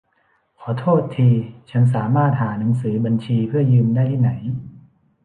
ขอโทษที ฉันสามารถหาหนังสือบัญชีเพื่อยืมได้ที่ไหน ?